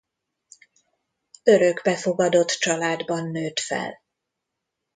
Örökbefogadott családban nőtt fel.